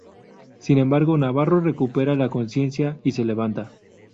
Sin embargo, Navarro recupera la consciencia y se levanta.